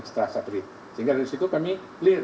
setelah santri sehingga dari situ kami clear